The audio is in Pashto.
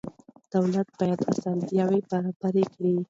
دولت باید اسانتیا برابره کړي.